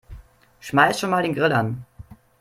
Schmeiß schon mal den Grill an.